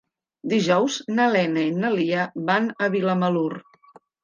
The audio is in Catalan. Dijous na Lena i na Lia van a Vilamalur.